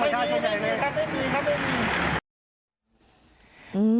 ไปดูภาพเหตุการณ์กันนะครับคุณผู้ชม